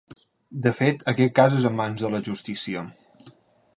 De fet, aquest cas és en mans de la justícia.